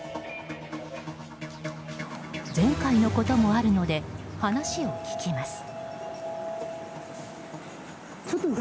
前回のこともあるので話を聞きます。